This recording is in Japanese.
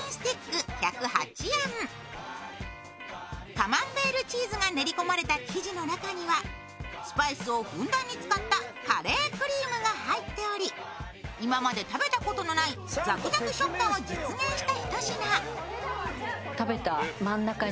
カマンベールチーズが練り込まれた生地の中にはスパイスをふんだんに使ったカレークリームが入っており、プロたちの評価はご覧のとおりでした。